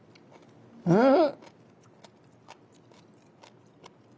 うん。